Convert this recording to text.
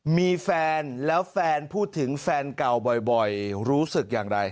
มีแฟนแล้วแฟนพูดถึงแฟนเก่าบ่อยรู้สึกอย่างไร